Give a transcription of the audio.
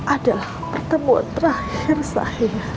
adalah pertemuan terakhir saya